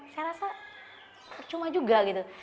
saya rasa percuma juga gitu